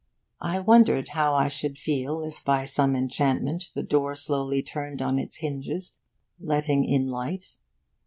I wondered how I should feel if by some enchantment the door slowly turned on its hinges, letting in light.